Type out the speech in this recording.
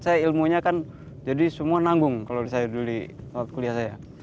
saya ilmunya kan jadi semua nanggung kalau saya dulu di kuliah saya